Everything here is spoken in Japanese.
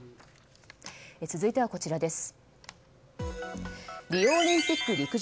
続いてはこちらです。